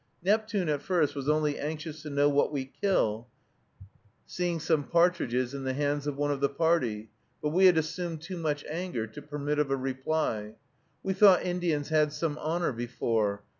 Neptune at first was only anxious to know what we "kill," seeing some partridges in the hands of one of the party, but we had assumed too much anger to permit of a reply. We thought Indians had some honor before.